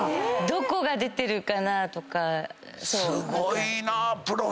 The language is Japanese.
どこが出てるかな？とか。